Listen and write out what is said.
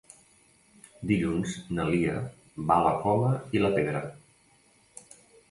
Dilluns na Lia va a la Coma i la Pedra.